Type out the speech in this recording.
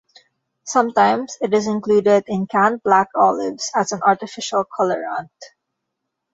Sometimes, it is included in canned black olives as an artificial colorant.